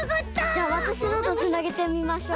じゃわたしのとつなげてみましょう。